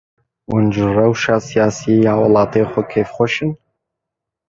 Hûn ji rewşa siyasî ya welatê xwe kêfxweş in?